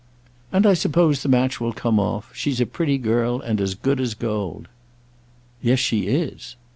"And I suppose the match will come off. She's a pretty girl, and as good as gold." "Yes, she is."